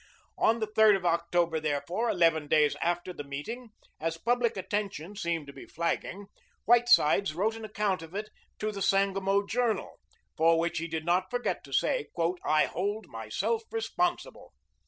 On the 3d of October, therefore, eleven days after the meeting, as public attention seemed to be flagging, Whitesides wrote an account of it to the "Sangamo Journal," for which he did not forget to say, "I hold myself responsible!"